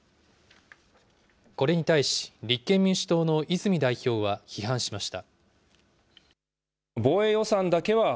これに対し立憲民主党の泉代表は批判しました。